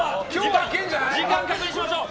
時間を確認しましょう。